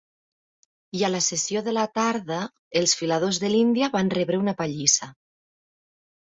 I a la sessió de la tarda, els filadors de l'Índia van rebre una pallissa.